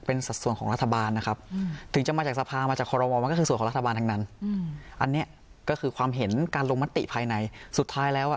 เป็นสัดส่วนของรัฐบาลนะครับถึงจะมาจากสภามาจากคอรมอลมันก็คือส่วนของรัฐบาลทั้งนั้นอันนี้ก็คือความเห็นการลงมติภายในสุดท้ายแล้วอ่ะ